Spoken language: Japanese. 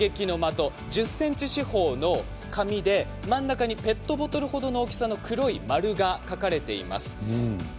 １０ｃｍ四方の紙で真ん中にペットボトルほどの大きさの黒い丸が書かれています。